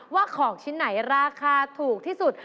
ว่าของชิ้นไหนราคาถูกที่สุด